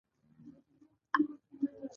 مکوه په چا چی اوبشی په تا